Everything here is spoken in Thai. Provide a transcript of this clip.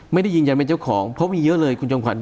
ไม่ได้ยืนยันเป็นเจ้าของเพราะมีเยอะเลยคุณจอมขวัญ